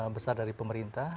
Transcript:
besar dari pemerintah